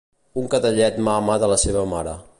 Un cadellet mama de la seva mare.